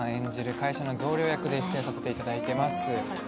会社の同僚役で出演させていただいています。